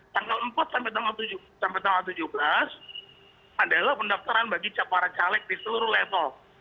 tanggal empat sampai tanggal tujuh belas adalah pendaftaran bagi para caleg di seluruh level